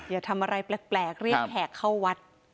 อย่าทำอะไรแปลกเรียกแขกเข้าวัด